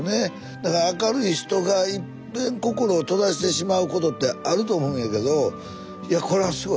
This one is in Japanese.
だから明るい人がいっぺん心を閉ざしてしまうことってあると思うんやけどいやこれはすごい。